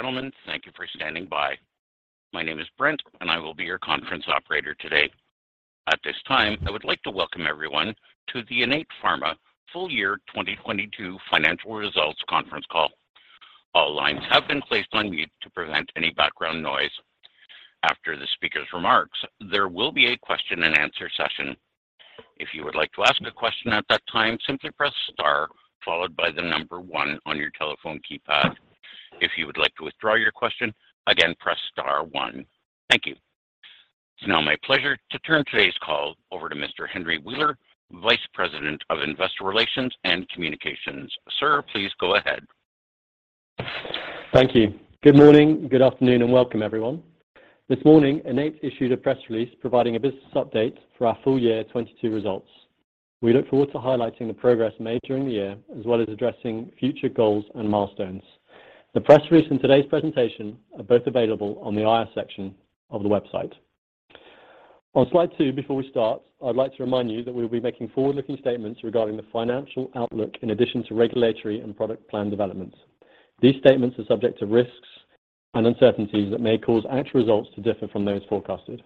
Ladies and gentlemen, thank you for standing by. My name is Brent, I will be your conference operator today. At this time, I would like to welcome everyone to the Innate Pharma Full Year 2022 Financial Results conference call. All lines have been placed on mute to prevent any background noise. After the speaker's remarks, there will be a question and answer session. If you would like to ask a question at that time, simply press star followed by one on your telephone keypad. If you would like to withdraw your question, again, press star one. Thank you. It's now my pleasure to turn today's call over to Mr. Henry Wheeler, Vice President of Investor Relations and Communications. Sir, please go ahead. Thank you. Good morning, good afternoon, and welcome everyone. This morning, Innate issued a press release providing a business update for our full year 2022 results. We look forward to highlighting the progress made during the year as well as addressing future goals and milestones. The press release and today's presentation are both available on the IR section of the website. On slide two, before we start, I'd like to remind you that we'll be making forward-looking statements regarding the financial outlook in addition to regulatory and product plan developments. These statements are subject to risks and uncertainties that may cause actual results to differ from those forecasted.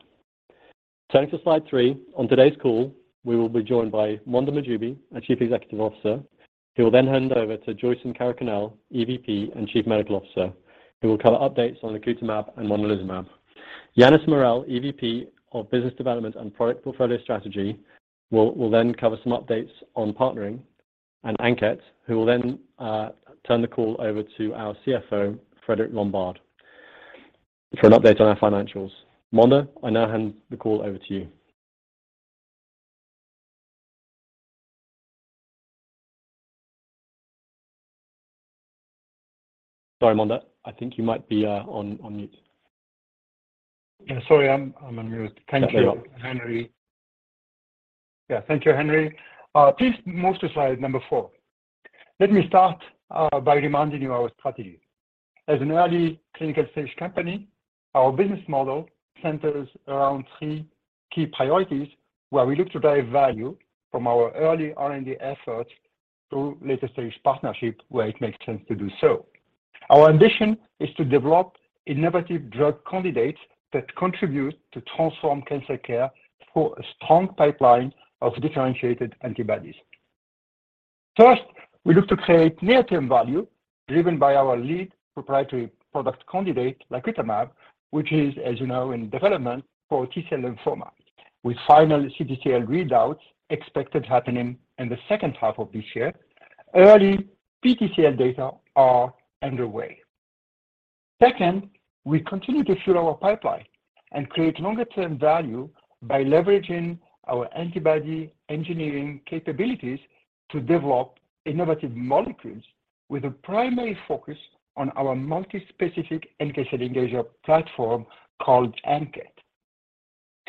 Turning to slide three. On today's call, we will be joined by Mondher Mahjoubi, our Chief Executive Officer, who will then hand over to Joyson Karakunnel, EVP and Chief Medical Officer, who will cover updates on lacutamab and monalizumab. Yannis Morel, EVP of Business Development and Product Portfolio Strategy will then cover some updates on partnering, and ANKET who will then turn the call over to our CFO, Frédéric Lombard, for an update on our financials. Mondher, I now hand the call over to you. Sorry, Mondher. I think you might be on mute. Yeah, sorry. I'm on mute. There we go. Thank you, Henry. Yeah. Thank you, Henry. Please move to slide number 4. Let me start by reminding you our strategy. As an early clinical stage company, our business model centers around 3 key priorities where we look to drive value from our early R&D efforts through later stage partnership where it makes sense to do so. Our ambition is to develop innovative drug candidates that contribute to transform cancer care through a strong pipeline of differentiated antibodies. First, we look to create near-term value driven by our lead proprietary product candidate lacutamab, which is as you know in development for T-cell lymphoma, with final CTCL readouts expected happening in the second half of this year. Early PTCL data are underway. Second, we continue to fuel our pipeline and create longer term value by leveraging our antibody engineering capabilities to develop innovative molecules with a primary focus on our multi-specific NK cell engager platform called ANKET.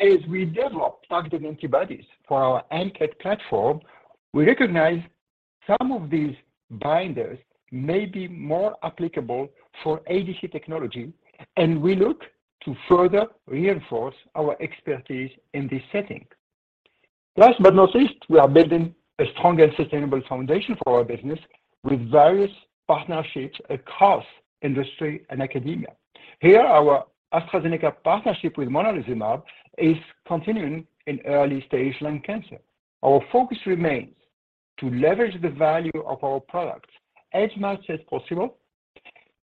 As we develop targeted antibodies for our ANKET platform, we recognize some of these binders may be more applicable for ADC technology, and we look to further reinforce our expertise in this setting. Last but not least, we are building a strong and sustainable foundation for our business with various partnerships across industry and academia. Here, our AstraZeneca partnership with monalizumab is continuing in early-stage lung cancer. Our focus remains to leverage the value of our products as much as possible.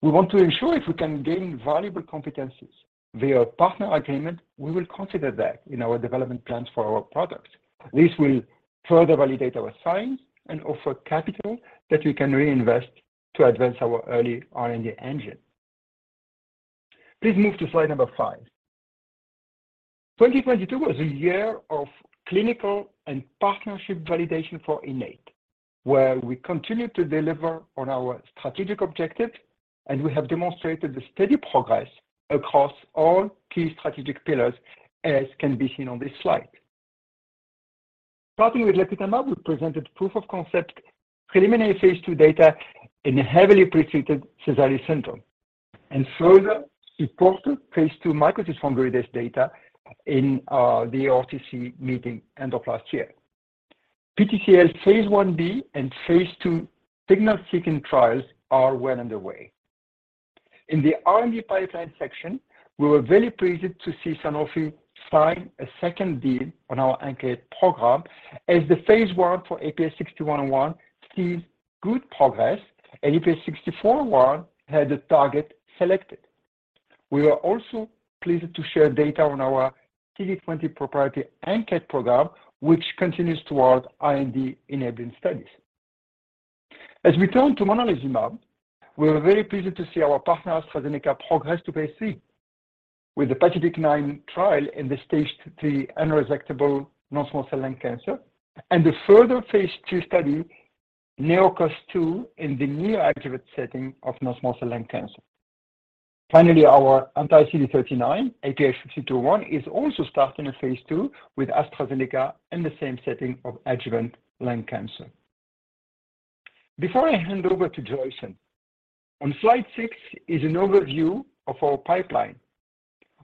We want to ensure if we can gain valuable competencies via partner agreement, we will consider that in our development plans for our products. This will further validate our science and offer capital that we can reinvest to advance our early R&D engine. Please move to slide number 5. 2022 was a year of clinical and partnership validation for Innate, where we continued to deliver on our strategic objectives, and we have demonstrated a steady progress across all key strategic pillars, as can be seen on this slide. Starting with lacutamab, we presented proof of concept preliminary phase II data in a heavily pretreated Sézary syndrome and further supported phase II mycosis fungoides data in the EORTC meeting end of last year. PTCL phase IB and phase II signal seeking trials are well underway. In the R&D pipeline section, we were very pleased to see Sanofi sign a second deal on our ANKET program as the phase I for IPH6101 sees good progress and IPH6401 had a target selected. We were also pleased to share data on our CD20 proprietary ANKET program, which continues toward IND-enabling studies. As we turn to monalizumab, we are very pleased to see our partner AstraZeneca progress to phase III with the PACIFIC-9 trial in the Stage III unresectable non-small cell lung cancer and a further phase II study, NeoCOAST-2 in the neoadjuvant setting of non-small cell lung cancer. Finally, our anti-CD39, IPH5201, is also starting a phase II with AstraZeneca in the same setting of adjuvant lung cancer. Before I hand over to Joyson, on slide 6 is an overview of our pipeline,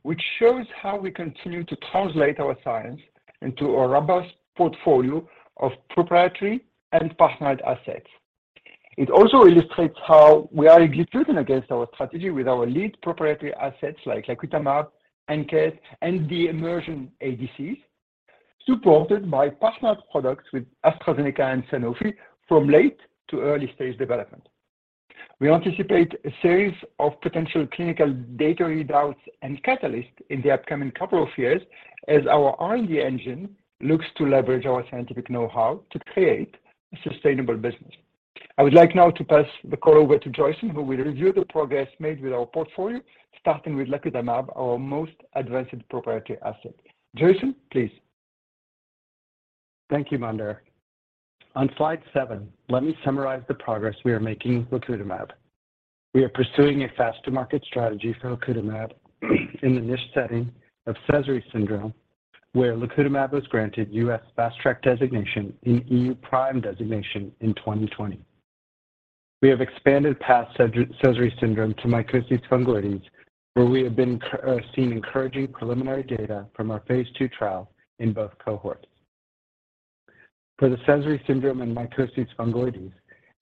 which shows how we continue to translate our science into a robust portfolio of proprietary and partnered assets. It also illustrates how we are executing against our strategy with our lead proprietary assets like lacutamab, ANKET, and the Innate ADCs, supported by partnered products with AstraZeneca and Sanofi from late to early stage development. We anticipate a series of potential clinical data readouts and catalysts in the upcoming couple of years as our R&D engine looks to leverage our scientific know-how to create a sustainable business. I would like now to pass the call over to Joyson, who will review the progress made with our portfolio, starting with lacutamab, our most advanced proprietary asset. Joyson, please. Thank you, Mondher. On slide 7, let me summarize the progress we are making with lacutamab. We are pursuing a fast-to-market strategy for lacutamab in the niche setting of Sézary syndrome, where lacutamab was granted U.S. Fast Track Designation and EU PRIME Designation in 2020. We have expanded past Sézary syndrome to mycosis fungoides, where we have seen encouraging preliminary data from our phase II trial in both cohorts. For the Sézary syndrome and mycosis fungoides,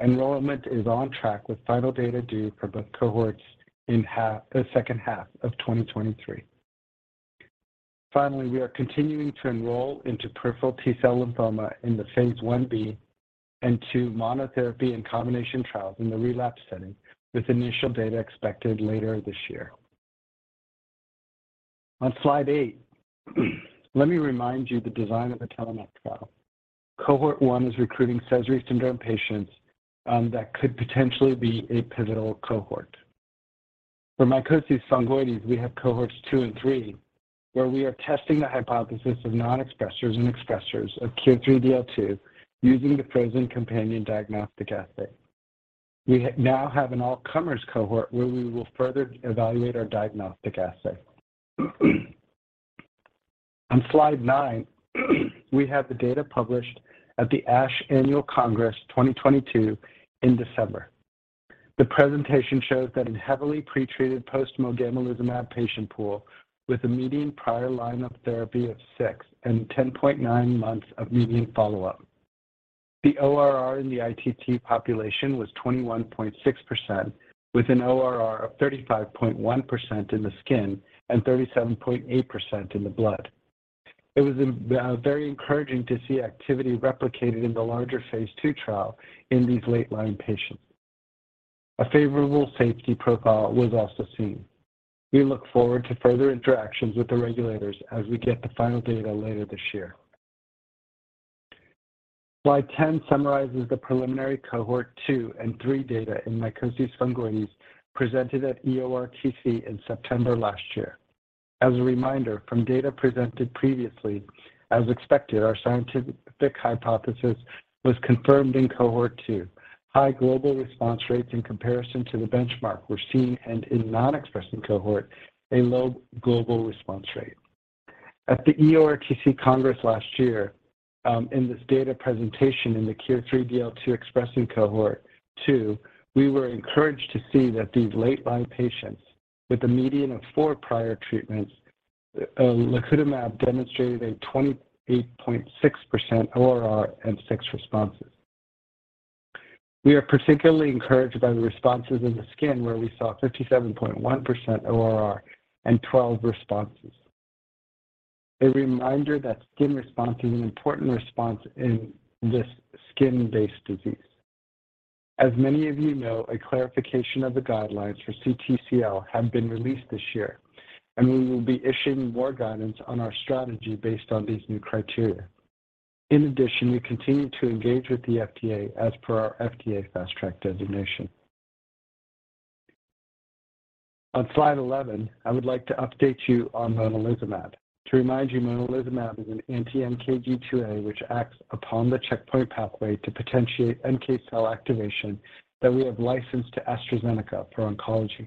enrollment is on track with final data due for both cohorts in the second half of 2023. Finally, we are continuing to enroll into peripheral T-cell lymphoma in the phase IB and II monotherapy and combination trials in the relapse setting, with initial data expected later this year. On slide 8, let me remind you the design of the TELLOMAK trial. Cohort 1 is recruiting Sézary syndrome patients that could potentially be a pivotal cohort. For mycosis fungoides, we have cohorts 2 and 3, where we are testing the hypothesis of non-expressers and expressers of KIR3DL2 using the frozen companion diagnostic assay. We now have an all-comers cohort where we will further evaluate our diagnostic assay. On slide 9, we have the data published at the ASH Annual Congress 2022 in December. The presentation shows that in heavily pretreated post mogamulizumab patient pool with a median prior line of therapy of 6 and 10.9 months of median follow-up, the ORR in the ITT population was 21.6%, with an ORR of 35.1% in the skin and 37.8% in the blood. It was very encouraging to see activity replicated in the larger phase II trial in these late-line patients. A favorable safety profile was also seen. We look forward to further interactions with the regulators as we get the final data later this year. Slide 10 summarizes the preliminary cohort 2 and 3 data in mycosis fungoides presented at EORTC in September last year. As a reminder, from data presented previously, as expected, our scientific hypothesis was confirmed in cohort 2. High global response rates in comparison to the benchmark were seen, and in non-expressing cohort, a low global response rate. At the EORTC Congress last year, in this data presentation in the KIR3DL2 expressing cohort 2, we were encouraged to see that these late-line patients with a median of 4 prior treatments, lacutamab demonstrated a 28.6% ORR and 6 responses. We are particularly encouraged by the responses in the skin, where we saw 57.1% ORR and 12 responses. A reminder that skin response is an important response in this skin-based disease. As many of you know, a clarification of the guidelines for CTCL have been released this year. We will be issuing more guidance on our strategy based on these new criteria. In addition, we continue to engage with the FDA as per our FDA Fast Track Designation. On slide 11, I would like to update you on monalizumab. To remind you, monalizumab is an anti-NKG2A, which acts upon the checkpoint pathway to potentiate NK cell activation that we have licensed to AstraZeneca for oncology.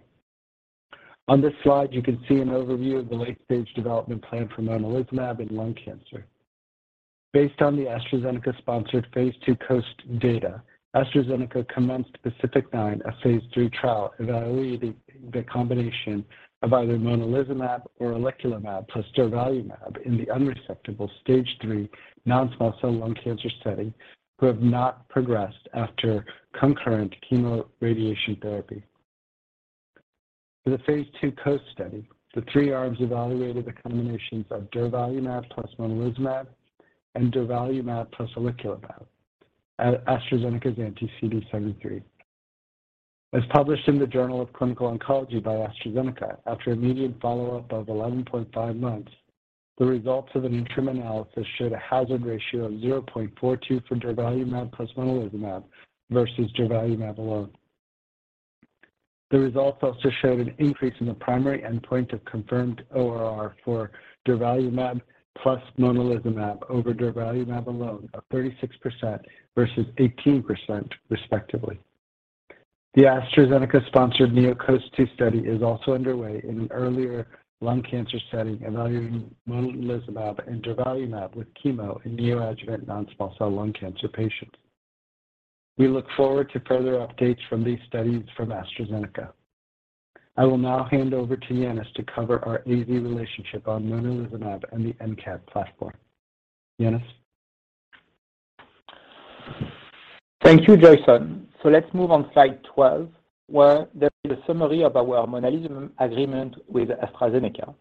On this slide, you can see an overview of the late-stage development plan for monalizumab in lung cancer. Based on the AstraZeneca-sponsored phase II COAST data, AstraZeneca commenced PACIFIC-9, a phase III trial evaluating the combination of either monalizumab or oleclumab plus durvalumab in the unresectable Stage III non-small cell lung cancer setting, who have not progressed after concurrent chemoradiation therapy. For the phase II COAST study, the three arms evaluated the combinations of durvalumab plus monalizumab and durvalumab plus oleclumab, AstraZeneca's anti-CD73. As published in the Journal of Clinical Oncology by AstraZeneca, after a median follow-up of 11.5 months, the results of an interim analysis showed a hazard ratio of 0.42 for durvalumab plus monalizumab versus durvalumab alone. The results also showed an increase in the primary endpoint of confirmed ORR for durvalumab plus monalizumab over durvalumab alone of 36% versus 18% respectively. The AstraZeneca-sponsored NeoCOAST-2 study is also underway in an earlier lung cancer setting evaluating monalizumab and durvalumab with chemo in neoadjuvant non-small cell lung cancer patients. We look forward to further updates from these studies from AstraZeneca. I will now hand over to Yannis to cover our AZ relationship on monalizumab and the ANKET platform. Yannis. Thank you, Joyson. Let's move on slide 12, where there is a summary of our monalizumab agreement with AstraZeneca.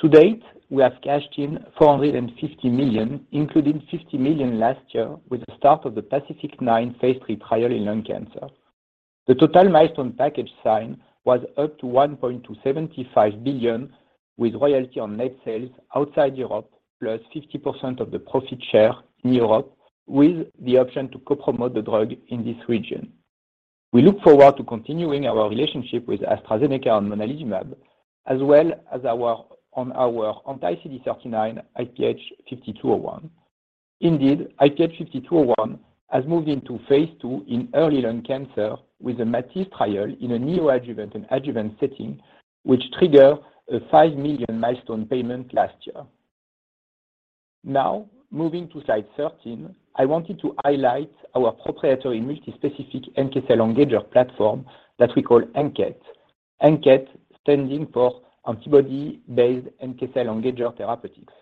To date, we have cashed in $450 million, including $50 million last year with the start of the PACIFIC-9 phase III trial in lung cancer. The total milestone package signed was up to $1.275 billion, with royalty on net sales outside Europe, plus 50% of the profit share in Europe, with the option to co-promote the drug in this region. We look forward to continuing our relationship with AstraZeneca on monalizumab as well as on our anti-CD39 IPH5201. Indeed, IPH5201 has moved into phase II in early lung cancer with the MATISSE trial in a neoadjuvant and adjuvant setting, which trigger a $5 million milestone payment last year. Moving to slide 13, I wanted to highlight our proprietary multi-specific NK cell engager platform that we call ANKET. ANKET standing for antibody-based NK cell engager therapeutics.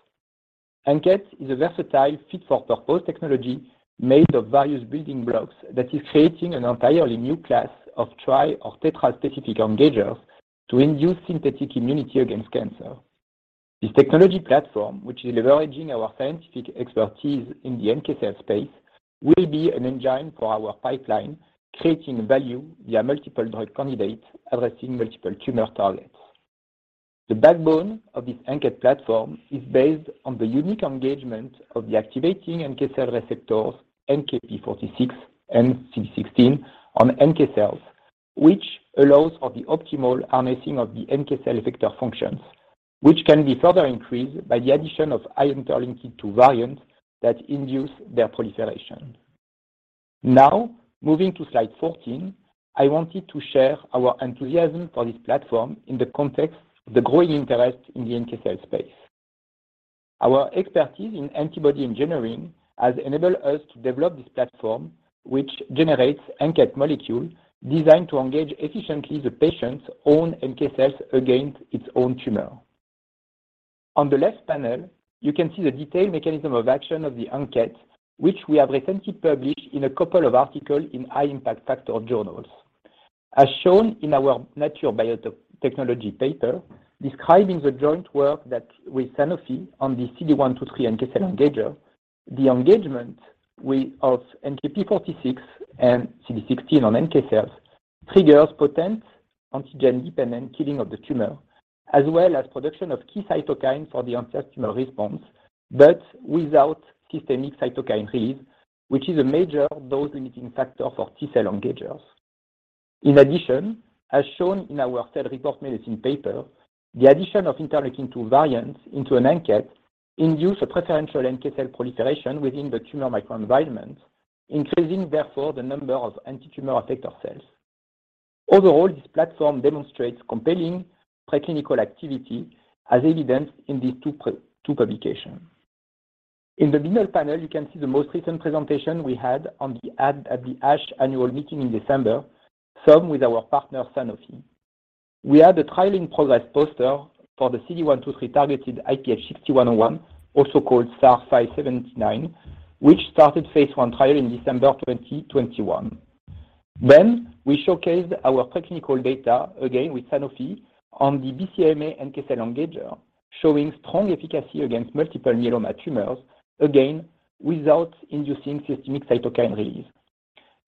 ANKET is a versatile fit for purpose technology made of various building blocks that is creating an entirely new class of tri or tetra-specific engagers to induce synthetic immunity against cancer. This technology platform, which is leveraging our scientific expertise in the NK cell space, will be an engine for our pipeline, creating value via multiple drug candidates addressing multiple tumor targets. The backbone of this ANKET platform is based on the unique engagement of the activating NK cell receptors, NKp46 and CD16 on NK cells, which allows for the optimal harnessing of the NK cell effector functions, which can be further increased by the addition of interleukin-2 variants that induce their proliferation. Now moving to slide 14, I wanted to share our enthusiasm for this platform in the context of the growing interest in the NK cell space. Our expertise in antibody engineering has enabled us to develop this platform, which generates ANKET molecule designed to engage efficiently the patient's own NK cells against its own tumor. On the left panel, you can see the detailed mechanism of action of the ANKET, which we have recently published in a couple of articles in high impact factor journals. As shown in our Nature Biotechnology paper describing the joint work with Sanofi on the CD123 NK cell engager, the engagement of NKp46 and CD16 on NK cells triggers potent antigen-dependent killing of the tumor, as well as production of key cytokines for the anti-tumor response, but without systemic cytokine release, which is a major dose-limiting factor for T cell engagers. As shown in our Cell Reports Medicine paper, the addition of interleukin-2 variants into an ANKET induce a preferential NK cell proliferation within the tumor microenvironment, increasing therefore the number of anti-tumor effector cells. This platform demonstrates compelling preclinical activity as evidenced in these two publications. In the middle panel, you can see the most recent presentation we had at the ASH annual meeting in December, some with our partner Sanofi. We had a trial in progress poster for the CD123 targeted IPH6101, also called SAR 443579, which started phase I trial in December 2021. We showcased our preclinical data again with Sanofi on the BCMA NK cell engager, showing strong efficacy against multiple myeloma tumors, again without inducing systemic cytokine release.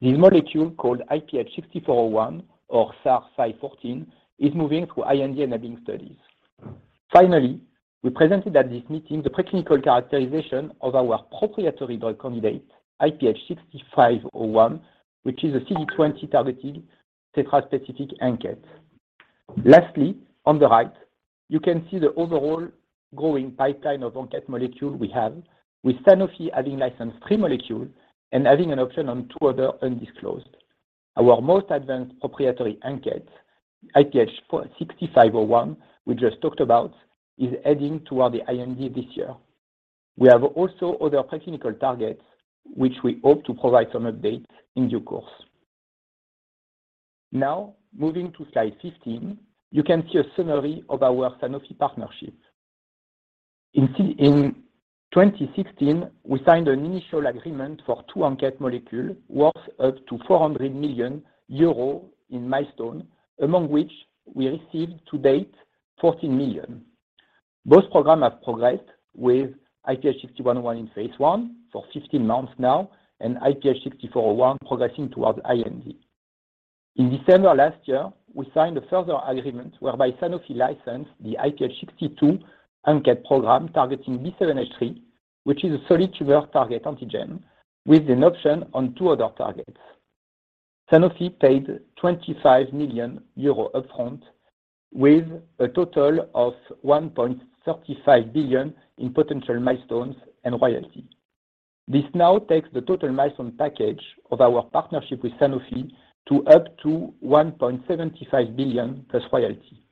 This molecule, called IPH6401 or SAR 445514, is moving through IND-enabling studies. We presented at this meeting the preclinical characterization of our proprietary drug candidate, IPH6501, which is a CD20 targeted tetra-specific ANKET. On the right, you can see the overall growing pipeline of ANKET molecule we have with Sanofi having licensed 3 molecules and having an option on 2 other undisclosed. Our most advanced proprietary ANKET, IPH6501 we just talked about, is heading toward the IND this year. We have also other preclinical targets, which we hope to provide some update in due course. Moving to slide 15, you can see a summary of our Sanofi partnership. In 2016, we signed an initial agreement for 2 ANKET molecule worth up to 400 million euros in milestone, among which we received to date 14 million. Both programs have progressed with IPH6101 in phase I for 15 months now and IPH6401 progressing towards IND. In December last year, we signed a further agreement whereby Sanofi licensed the IPH62 ANKET program targeting B7H3, which is a solid tumor target antigen with an option on 2 other targets. Sanofi paid 25 million euro upfront with a total of 1.35 billion in potential milestones and royalty. This now takes the total milestone package of our partnership with Sanofi to up to 1.75 billion plus royalty.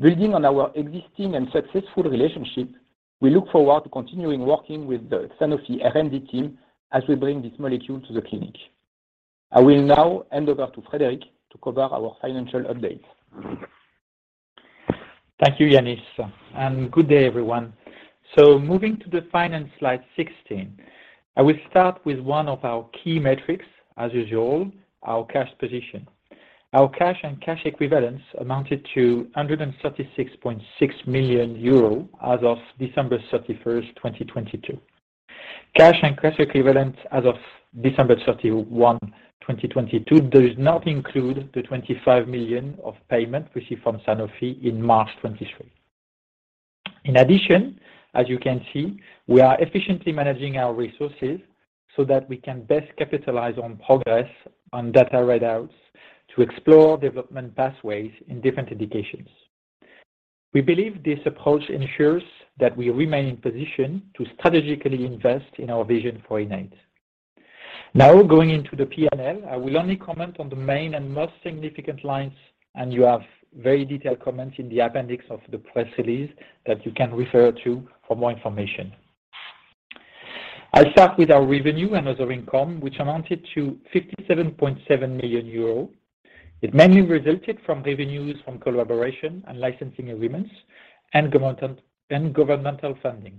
Building on our existing and successful relationship, we look forward to continuing working with the Sanofi R&D team as we bring this molecule to the clinic. I will now hand over to Frédéric to cover our financial updates. Thank you, Yannis. Good day everyone. Moving to the finance slide 16, I will start with one of our key metrics as usual, our cash position. Our cash and cash equivalents amounted to 136.6 million euro as of December 31st, 2022. Cash and cash equivalents as of December 31, 2022 does not include the 25 million payment received from Sanofi in March 2023. In addition, as you can see, we are efficiently managing our resources so that we can best capitalize on progress on data readouts to explore development pathways in different indications. We believe this approach ensures that we remain in position to strategically invest in our vision for Innate. Going into the P&L, I will only comment on the main and most significant lines, and you have very detailed comments in the appendix of the press release that you can refer to for more information. I'll start with our revenue and other income, which amounted to 57.7 million euros. It mainly resulted from revenues from collaboration and licensing agreements and governmental fundings.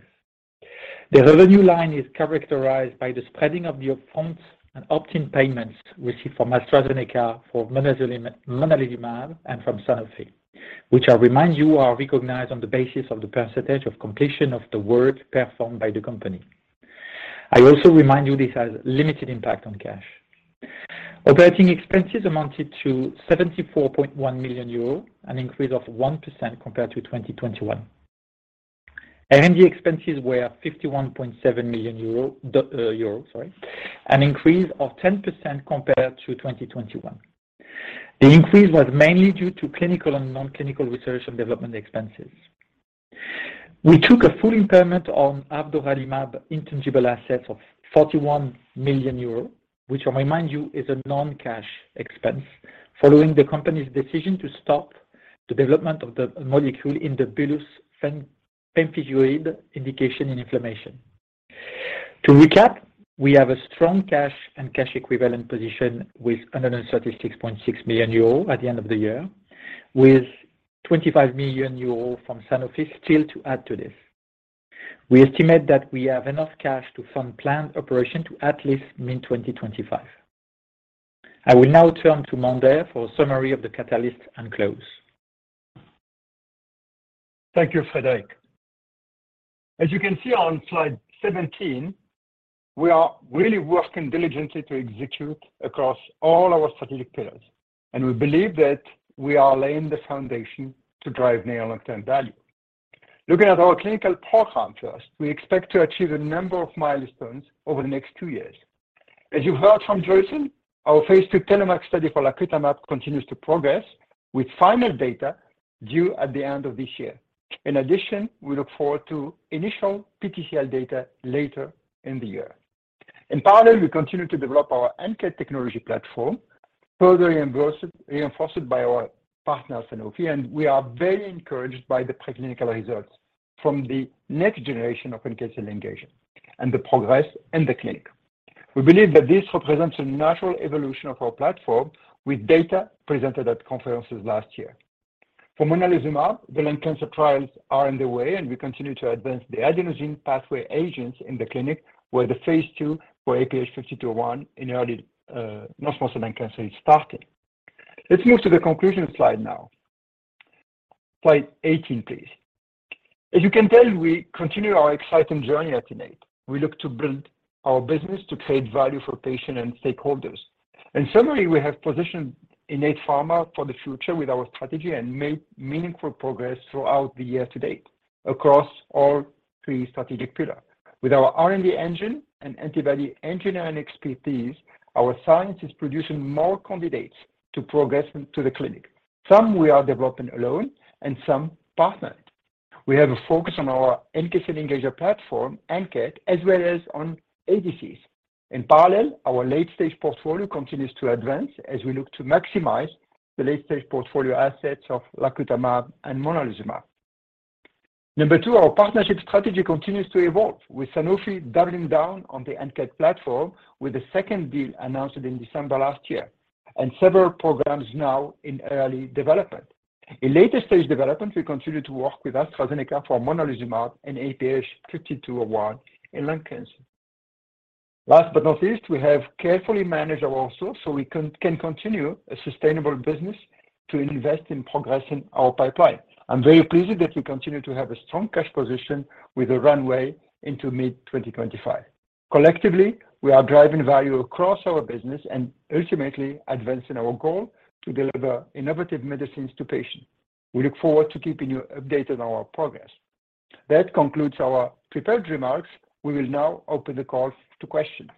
The revenue line is characterized by the spreading of the upfront and opt-in payments received from AstraZeneca for monalizumab and from Sanofi, which I remind you are recognized on the basis of the percentage of completion of the work performed by the company. I also remind you this has limited impact on cash. Operating expenses amounted to 74.1 million euros, an increase of 1% compared to 2021. R&D expenses were 51.7 million euro, euro, sorry, an increase of 10% compared to 2021. The increase was mainly due to clinical and non-clinical research and development expenses. We took a full impairment on avdoralimab intangible assets of 41 million euros, which I remind you is a non-cash expense following the company's decision to stop the development of the molecule in the bullous pemphigoid indication in inflammation. To recap, we have a strong cash and cash equivalent position with 136.6 million euro at the end of the year with 25 million euro from Sanofi still to add to this. We estimate that we have enough cash to fund planned operation to at least mid-2025. I will now turn to Mondher for a summary of the catalyst and close. Thank you, Frédéric. As you can see on slide 17, we are really working diligently to execute across all our strategic pillars, and we believe that we are laying the foundation to drive near and long-term value. Looking at our clinical program first, we expect to achieve a number of milestones over the next two years. As you heard from Joyson, our phase II TELLOMAK study for lacutamab continues to progress, with final data due at the end of this year. In addition, we look forward to initial PTCL data later in the year. In parallel, we continue to develop our NK technology platform, further reinforced by our partner Sanofi, and we are very encouraged by the preclinical results from the next generation of NK cell engagement and the progress in the clinic. We believe that this represents a natural evolution of our platform with data presented at conferences last year. For monalizumab, the lung cancer trials are underway, and we continue to advance the adenosine pathway agents in the clinic, where the phase II for IPH5201 in early non-small cell lung cancer is starting. Let's move to the conclusion slide now. Slide 18, please. As you can tell, we continue our exciting journey at Innate. We look to build our business to create value for patients and stakeholders. In summary, we have positioned Innate Pharma for the future with our strategy and made meaningful progress throughout the year to date across all three strategic pillars. With our R&D engine and antibody engineering expertise, our science is producing more candidates to progress into the clinic. Some we are developing alone and some partnered. We have a focus on our NK cell engager platform, ANKET, as well as on ADCs. In parallel, our late-stage portfolio continues to advance as we look to maximize the late-stage portfolio assets of lacutamab and monalizumab. Number 2, our partnership strategy continues to evolve, with Sanofi doubling down on the ANKET platform with a second deal announced in December last year and several programs now in early development. In later stage development, we continue to work with AstraZeneca for monalizumab in IPH5201 in lung cancer. Last but not least, we have carefully managed our resources so we can continue a sustainable business to invest in progressing our pipeline. I'm very pleased that we continue to have a strong cash position with a runway into mid-2025. Collectively, we are driving value across our business and ultimately advancing our goal to deliver innovative medicines to patients. We look forward to keeping you updated on our progress. That concludes our prepared remarks. We will now open the call to questions.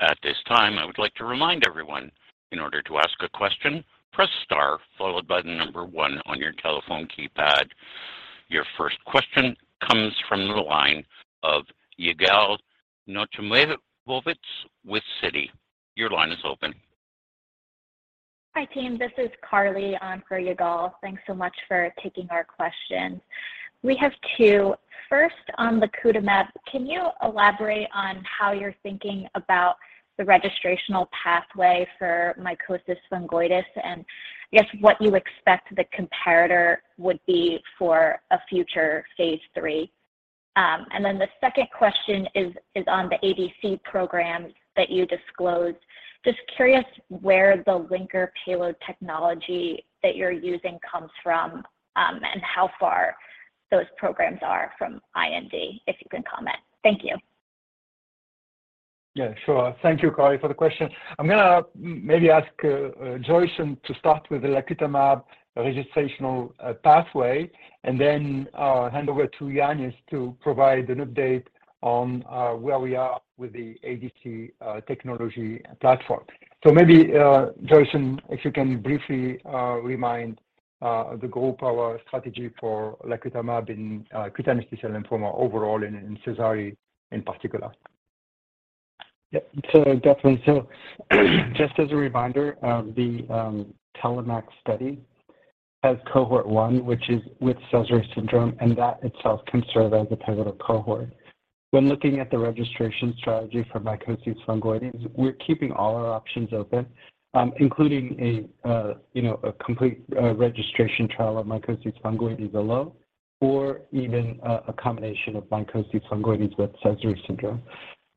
At this time, I would like to remind everyone, in order to ask a question, press star followed by the number 1 on your telephone keypad. Your first question comes from the line of Yigal Nochomovitz with Citi. Your line is open. Hi, team. This is Carly on for Yigal. Thanks so much for taking our questions. We have two. First, on lacutamab, can you elaborate on how you're thinking about the registrational pathway for mycosis fungoides, and I guess what you expect the comparator would be for a future phase III? The second question is on the ADC programs that you disclosed. Just curious where the linker payload technology that you're using comes from, and how far those programs are from IND, if you can comment. Thank you. Yeah, sure. Thank you, Carly, for the question. I'm gonna maybe ask Joyson to start with the lacutamab registrational pathway and then hand over to Yannis to provide an update on where we are with the ADC technology platform. Maybe Joyson, if you can briefly remind the group our strategy for lacutamab in cutaneous T-cell lymphoma overall and in Sézary in particular. Yeah. Definitely. Just as a reminder of the TELLOMAK study has cohort 1, which is with Sézary syndrome, that itself can serve as a pivotal cohort. When looking at the registration strategy for mycosis fungoides, we're keeping all our options open, including a, you know, a complete registration trial of mycosis fungoides alone or even a combination of mycosis fungoides with Sézary syndrome.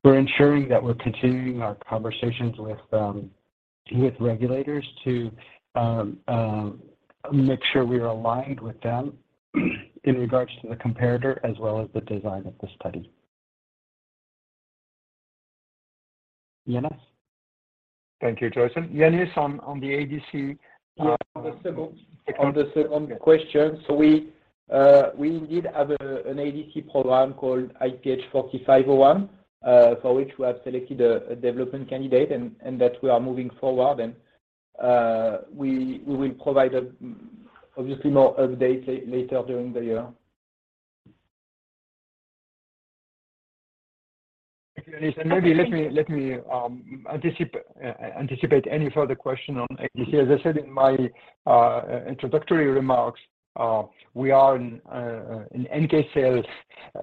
We're ensuring that we're continuing our conversations with regulators to make sure we are aligned with them in regards to the comparator as well as the design of the study. Yannis. Thank you, Joyson. Yannis on the ADC. Yeah. On the second question. We indeed have an ADC program called IPH4501, for which we have selected a development candidate and that we are moving forward. We will provide obviously more update later during the year. Thank you, Yannis. Maybe let me anticipate any further question on ADC. As I said in my introductory remarks, we are an NK cells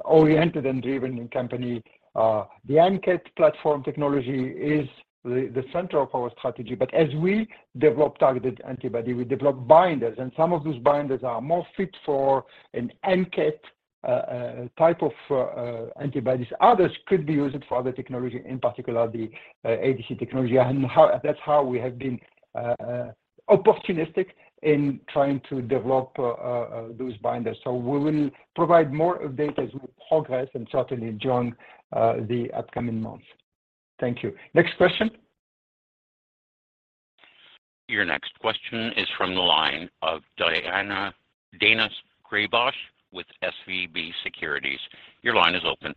oriented and driven company. The ANKET platform technology is the center of our strategy. As we develop targeted antibody, we develop binders, and some of those binders are more fit for an ANKET type of antibodies. Others could be used for other technology, in particular the ADC technology. That's how we have been opportunistic in trying to develop those binders. We will provide more updates as we progress and certainly during the upcoming months. Thank you. Next question. Your next question is from the line of Daina Graybosch with SVB Securities. Your line is open.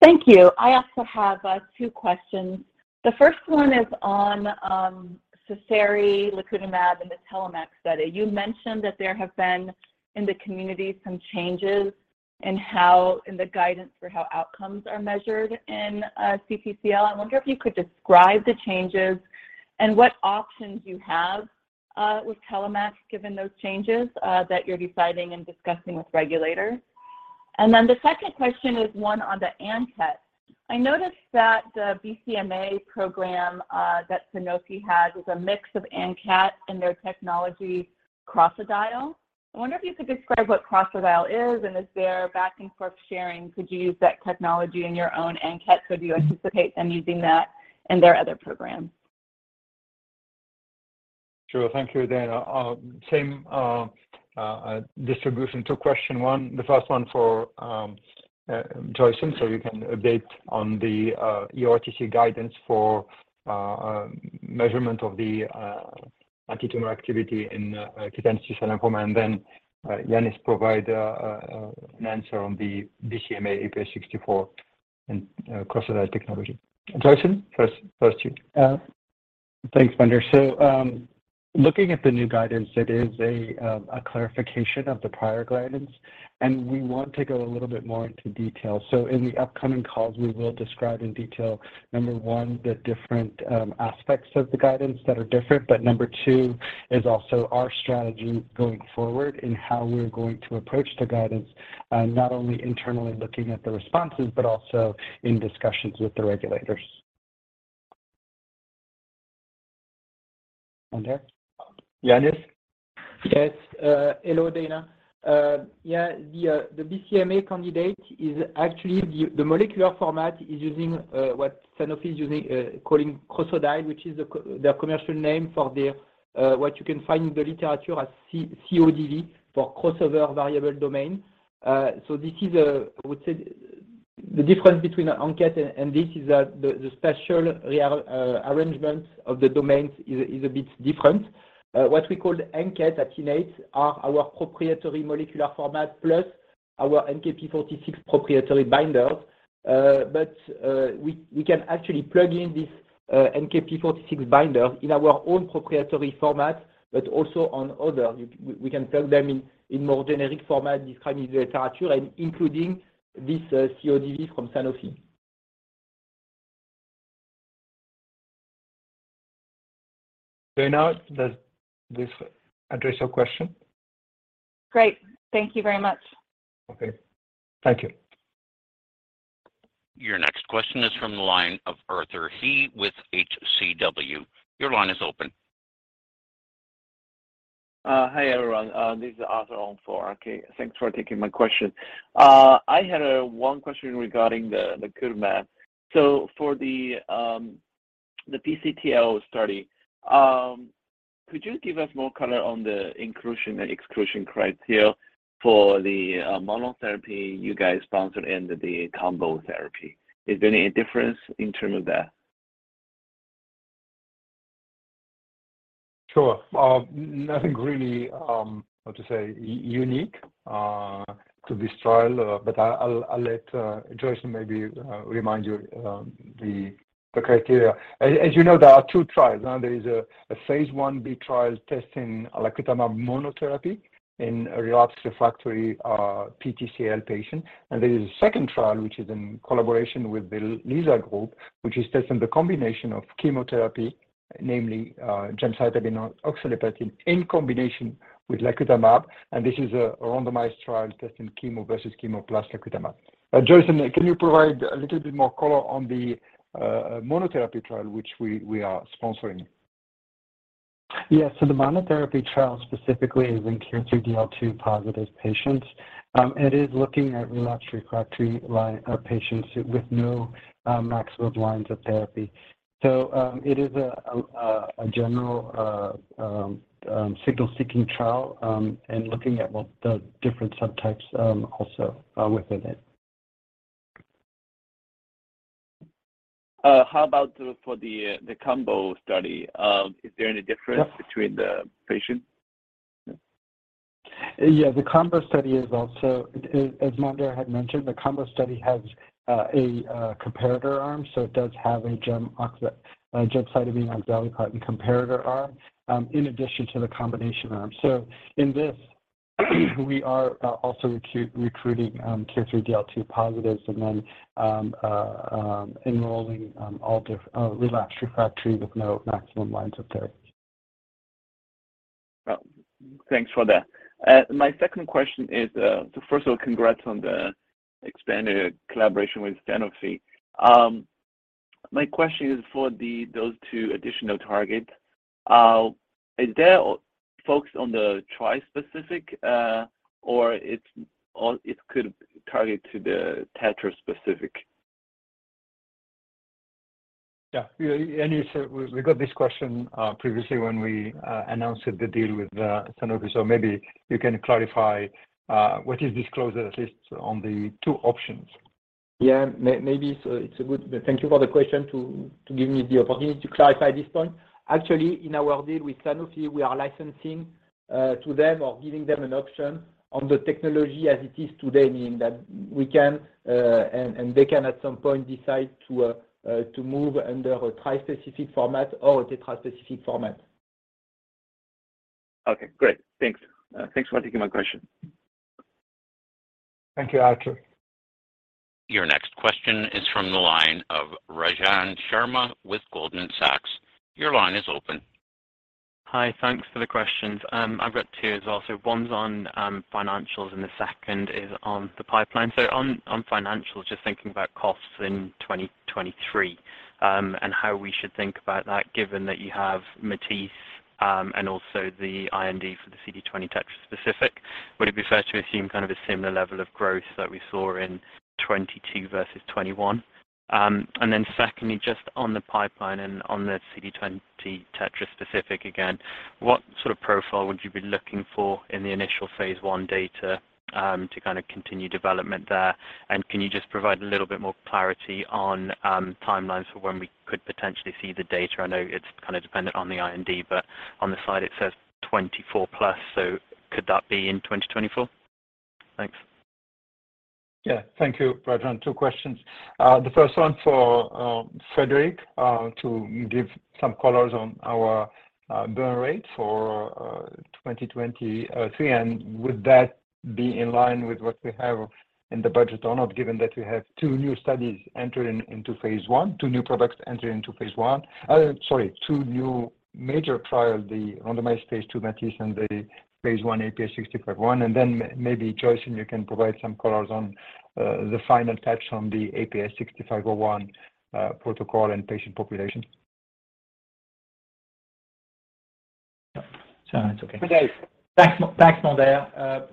Thank you. I also have 2 questions. The 1st one is on Sézary lacutamab and the TELLOMAK study. You mentioned that there have been, in the community, some changes in the guidance for how outcomes are measured in CTCL. I wonder if you could describe the changes and what options you have with TELLOMAK given those changes that you're deciding and discussing with regulators. The 2nd question is one on the ANKET. I noticed that the BCMA program that Sanofi has is a mix of ANKET and their technology, Crocodile. Mondher if you could describe what Crocodile is, and is there back and forth sharing? Could you use that technology in your own ANKET? Could you anticipate them using that in their other programs? Sure. Thank you, Daina. Same distribution to question one. The first one for Joyson, so you can update on the EORTC guidance for measurement of the antitumor activity in cutaneous T-cell lymphoma, and then Yannis provide an answer on the BCMA IPH6401 and Crocodile technology. Joyson, first you. Thanks, Wonder. Looking at the new guidance, it is a clarification of the prior guidance. We want to go a little bit more into detail. In the upcoming calls, we will describe in detail, number 1, the different aspects of the guidance that are different. Number 2 is also our strategy going forward in how we're going to approach the guidance, not only internally looking at the responses, but also in discussions with the regulators. Wonder. Yannis. Hello, Daina. Yeah, the BCMA candidate is actually the molecular format is using what Sanofi is using, calling Crocodile, which is the commercial name for the what you can find in the literature as CODV for Cross-Over Dual Variable Domain. This is, I would say the difference between ANKET and this is that the special arrangement of the domains is a bit different. What we call ANKET at Innate are our proprietary molecular format plus our NKp46 proprietary binders. But we can actually plug in this NKp46 binder in our own proprietary format, but also on other. We can plug them in more generic format described in the literature and including this CODV from Sanofi. Daina, does this address your question? Great. Thank you very much. Okay. Thank you. Your next question is from the line of Arthur He with HCW. Your line is open. Hi, everyone. This is Arthur on for RK. Thanks for taking my question. I had 1 question regarding the lacutamab. For the PTCL study, could you give us more color on the inclusion and exclusion criteria for the monotherapy you guys sponsored and the combo therapy? Is there any difference in term of that? Sure. nothing really, how to say, unique, to this trial, but I'll let, Joyson maybe, remind you, the criteria. As, as you know, there are two trials. There is a phase IB trial testing lacutamab monotherapy in a relapsed refractory, PTCL patient. There is a second trial which is in collaboration with the LYSA group, which is testing the combination of chemotherapy, namely, gemcitabine oxaliplatin in combination with lacutamab. This is a randomized trial testing chemo versus chemo plus lacutamab. Joyson, can you provide a little bit more color on the, monotherapy trial which we are sponsoring? Yes. The monotherapy trial specifically is in KIR3DL2 positive patients. It is looking at relapsed refractory patients with no maximum lines of therapy. It is a general signal-seeking trial, looking at what the different subtypes also within it. How about for the combo study? Is there any difference between the patient? Yeah. The combo study is also Mondher had mentioned, the combo study has a comparator arm. It does have a gemcitabine oxaliplatin comparator arm, in addition to the combination arm. In this, we are also recruiting KIR3DL2 positives and then enrolling relapsed refractory with no maximum lines of therapy. Well, thanks for that. My second question is. First of all, congrats on the expanded collaboration with Sanofi. My question is for those two additional targets: Is there a focus on the tri-specific, or it could target to the tetra-specific? Yeah. You said we got this question previously when we announced the deal with Sanofi. Maybe you can clarify what is disclosed at least on the two options. Yeah. Maybe it's a good. Thank you for the question to give me the opportunity to clarify this point. Actually, in our deal with Sanofi, we are licensing to them or giving them an option on the technology as it is today, meaning that we can and they can at some point decide to move under a tri-specific format or a tetra-specific format. Okay, great. Thanks. Thanks for taking my question. Thank you, Arthur. Your next question is from the line of Rajan Sharma with Goldman Sachs. Your line is open. Hi. Thanks for the questions. I've got two as also. One's on financials and the second is on the pipeline. On financials, just thinking about costs in 2023, and how we should think about that given that you have MATISSE, and also the IND for the CD20 tetra-specific. Would it be fair to assume kind of a similar level of growth that we saw in 2022 versus 2021? Secondly, just on the pipeline and on the CD20 tetra-specific again, what sort of profile would you be looking for in the initial phase 1 data, to kind of continue development there? And can you just provide a little bit more clarity on timelines for when we could potentially see the data? I know it's kind of dependent on the IND, but on the side it says 2024+. Could that be in 2024? Thanks. Thank you, Rajan. 2 questions. The first one for Frédéric, to give some colors on our burn rate for 2023. Would that be in line with what we have in the budget or not given that we have 2 new studies entering into phase I, II new products entering into phase I. Sorry, II new major trial, the randomized phase II MATISSE and the phase I IPH6501. Then maybe, Joyson, you can provide some colors on the final touch on the IPH6501 protocol and patient population. It's okay. Thanks. Thanks, Mondher.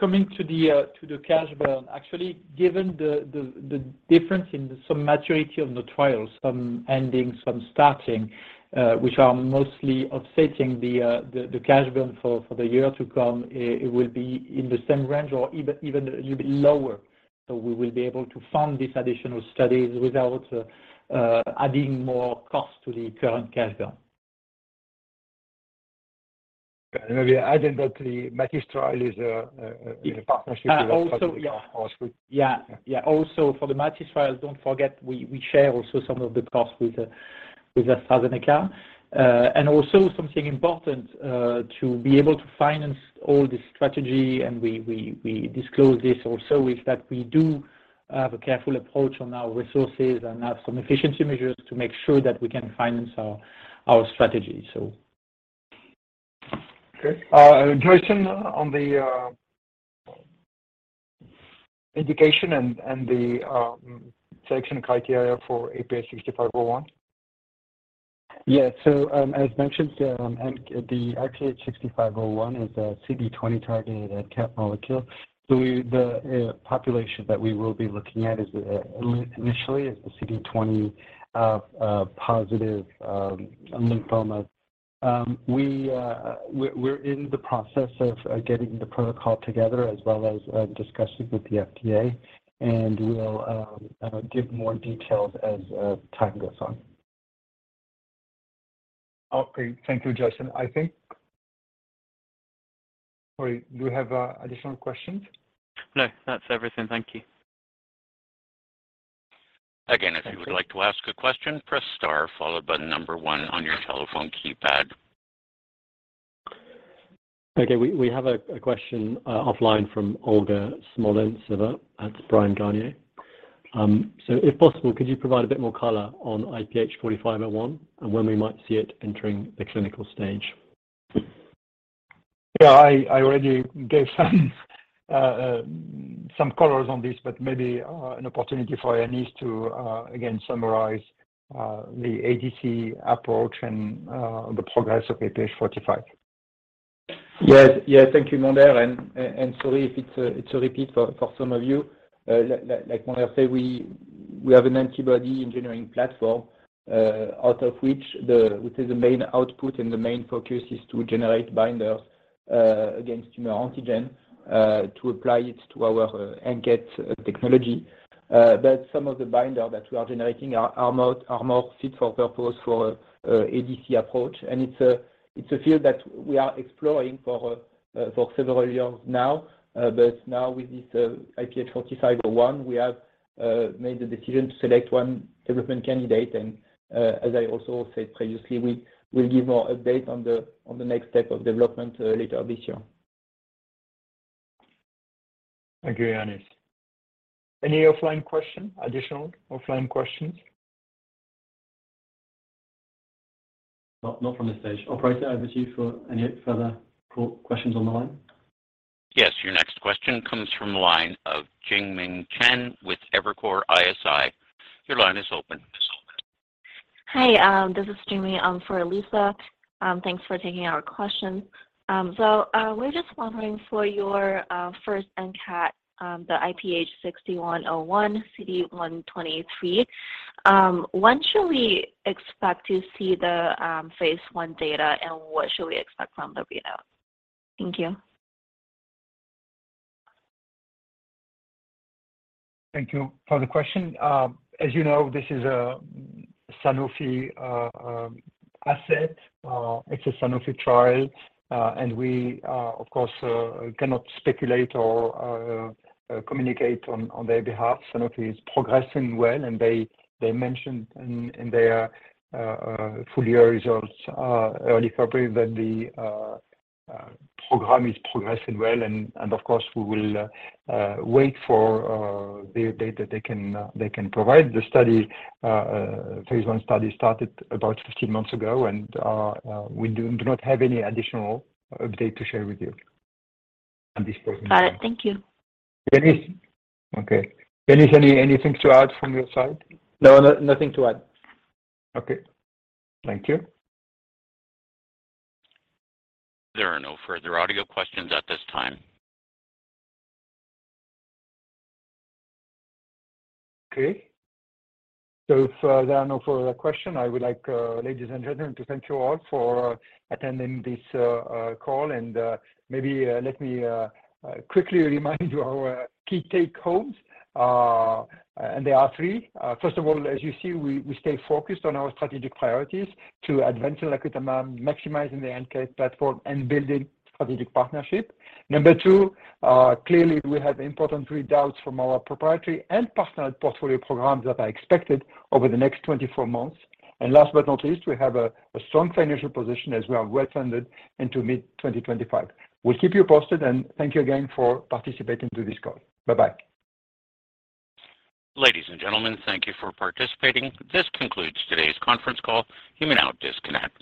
Coming to the cash burn, actually given the difference in some maturity of the trials, some ending, some starting, which are mostly offsetting the cash burn for the year to come, it will be in the same range or even a little bit lower. We will be able to fund these additional studies without adding more cost to the current cash burn. Maybe add that the MATIS trial is a partnership. Also, yeah. with AstraZeneca. Yeah. Also for the MATISSE trial, don't forget we share also some of the costs with AstraZeneca. Also something important to be able to finance all the strategy and we disclose this also is that we do have a careful approach on our resources and have some efficiency measures to make sure that we can finance our strategy, so. Okay. Joyson, on the indication and the selection criteria for IPH sixty-five oh one. Yeah. As mentioned, the IPH6501 is a CD20 targeted ANKET molecule. The population that we will be looking at is initially the CD20 positive lymphomas. We're in the process of getting the protocol together as well as discussing with the FDA. We'll give more details as time goes on. Okay. Thank you, Joyson. Sorry, do you have additional questions? That's everything. Thank you. Again, if you would like to ask a question, press star followed by the number one on your telephone keypad. Okay. We have a question, offline from Olga Smolentseva at Bryan, Garnier & Co. If possible, could you provide a bit more color on IPH4501 and when we might see it entering the clinical stage? Yeah, I already gave some colors on this, but maybe an opportunity for Yannis to again summarize the ADC approach and the progress of IPH4501. Yes. Yeah. Thank you, Mondher. Sorry if it's a repeat for some of you. Like Mondher said, we have an antibody engineering platform, out of which the main output and the main focus is to generate binders against tumor antigen to apply it to our ANKET technology. Some of the binder that we are generating are more fit for purpose for ADC approach. It's a field that we are exploring for several years now. Now with this IPH4501, we have made the decision to select one development candidate. As I also said previously, we will give more update on the next step of development later this year. Thank you, Yannis. Any offline question, additional offline questions? Not from this stage. Operator, over to you for any further questions on the line. Your next question comes from the line of Jingming Chen with Evercore ISI. Your line is open. Hi, this is Jingming, for Liisa. Thanks for taking our question. We're just wondering for your first ANKET, the IPH6101 CD123, when should we expect to see the phase I data, and what should we expect from the readout? Thank you. question. As you know, this is a Sanofi asset. It's a Sanofi trial, and we, of course, cannot speculate or communicate on their behalf. Sanofi is progressing well, and they mentioned in their full year results early February that the program is progressing well. Of course, we will wait for the data they can provide. The phase I study started about 15 months ago, and we do not have any additional update to share with you at this point in time Got it. Thank you. Yannis. Okay. Yannis, anything to add from your side? No, no, nothing to add. Okay. Thank you. There are no further audio questions at this time. Okay. If there are no further question, I would like, ladies and gentlemen, to thank you all for attending this call. Maybe let me quickly remind you our key take homes. There are three. First of all, as you see, we stay focused on our strategic priorities to advancing lacutamab, maximizing the ANKET platform, and building strategic partnership. Number two, clearly we have important readouts from our proprietary and partnered portfolio programs that are expected over the next 24 months. Last but not least, we have a strong financial position as we are well-funded into mid-2025. We'll keep you posted, and thank you again for participating to this call. Bye-bye. Ladies and gentlemen, thank you for participating. This concludes today's conference call. You may now disconnect.